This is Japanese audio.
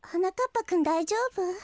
ぱくんだいじょうぶ？